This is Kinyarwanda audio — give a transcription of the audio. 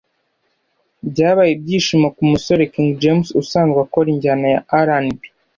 byabaye ibyishimo ku musore King James usanzwe akora injyana ya RnB